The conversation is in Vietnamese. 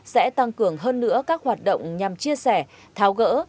sẽ tăng cường hơn nữa các hoạt động nhằm chia sẻ tháo gỡ